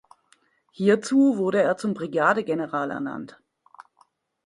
Hierzu wurde er zum Brigadegeneral ernannt.